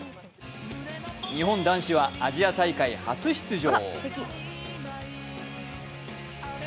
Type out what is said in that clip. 日本男子はアジア大会初出場。